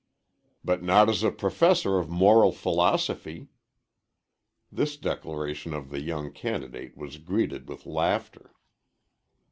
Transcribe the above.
"But not as a professor of moral philosophy." This declaration of the young candidate was greeted with laughter.